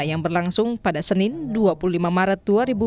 yang berlangsung pada senin dua puluh lima maret dua ribu dua puluh